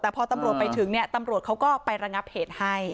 แต่พอตำรวจไปถึงเนี่ยตำรวจเขาก็ไประงับเหตุให้